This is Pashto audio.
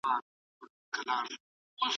دا هغه توره دوره وه چي په اروپا کي وه.